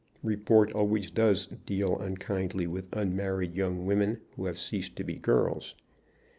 Report always does deal unkindly with unmarried young women who have ceased to be girls.